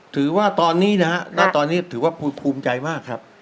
ถือว่าตอนนี้นะฮะณตอนนี้ถือว่าภูมิใจมากครับ